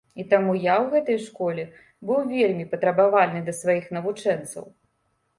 І таму я ў гэтай школе быў вельмі патрабавальны да сваіх навучэнцаў.